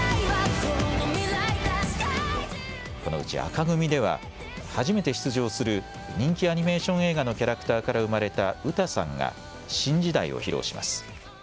このうち紅組では初めて出場する人気アニメーション映画のキャラクターから生まれたウタさんが新時代を披露します。